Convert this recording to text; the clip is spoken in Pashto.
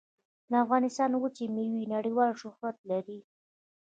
د افغانستان وچې میوې نړیوال شهرت لري